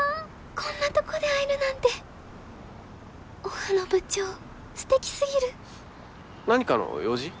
こんなとこで会えるなんてオフの部長ステキすぎる何かの用事？